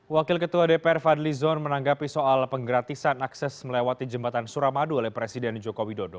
wakil ketua dpr fadli zon menanggapi soal penggratisan akses melewati jembatan suramadu oleh presiden joko widodo